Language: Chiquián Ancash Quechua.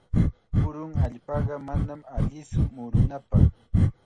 Purun allpaqa manam allitsu murunapaq.